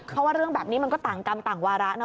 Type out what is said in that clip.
เพราะว่าเรื่องแบบนี้มันก็ต่างกรรมต่างวาระเนอ